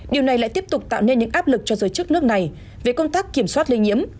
điều này lại tiếp tục tạo nên những áp lực cho giới chức nước này về công tác kiểm soát lây nhiễm